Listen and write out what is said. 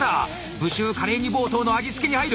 「武州カレー煮ぼうとう」の味付けに入る。